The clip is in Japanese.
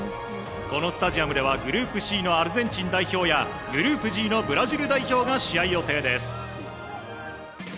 このスタジアムではグループＣのアルゼンチン代表やグループＧのブラジル代表が試合予定です。